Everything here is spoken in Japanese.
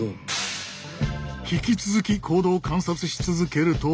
引き続き行動を観察し続けると。